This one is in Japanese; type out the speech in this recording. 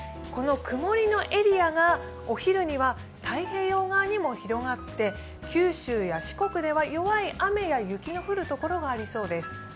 この曇りのエリアがお昼には太平洋側にも広がって九州や四国では弱い雨や雪の降る所がありそうです。